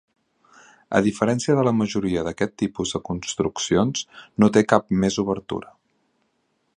A diferència de la majoria d'aquest tipus de construccions, no té cap més obertura.